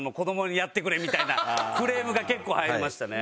クレームが結構入りましたね。